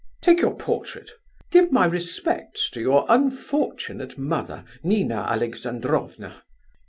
Take your portrait. Give my respects to your unfortunate mother, Nina Alexandrovna.